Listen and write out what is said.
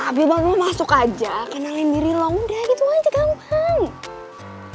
wah biar banget lo masuk aja kenalin diri lo udah gitu aja gampang